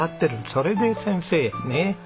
それで先生ね。